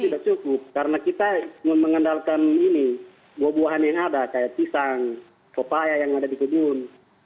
tidak cukup karena kita mengendalikan ini dua buahannya yang ada kayak pisang papaya yang ada di kebun